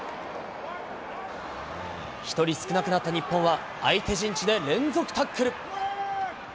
１人少なくなった日本は、相手陣地で連続タックル。